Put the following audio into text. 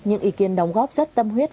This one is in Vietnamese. những ý kiến đóng góp rất tâm huyết